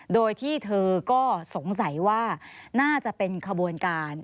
โดยที่เธอก็สงสัยว่าน่าจะเป็นขบวนการ